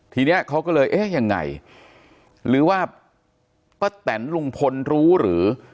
ทีนี้เขาก็เลยเอ๊ะยังไงหรือว่าป้าแตนลุงพลรู้หรือ